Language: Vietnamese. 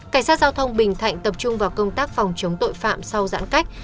cảnh sát giao thông bình thạnh tập trung vào công tác phòng chống tội phạm sau giãn cách